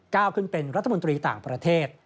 ก้าวขึ้นเป็นรัฐมนตรีต่างประเทศ